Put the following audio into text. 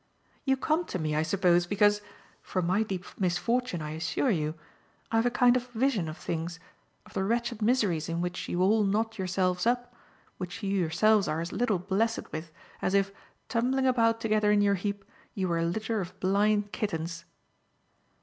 "You come to me, I suppose, because for my deep misfortune, I assure you I've a kind of vision of things, of the wretched miseries in which you all knot yourselves up, which you yourselves are as little blessed with as if, tumbling about together in your heap, you were a litter of blind kittens."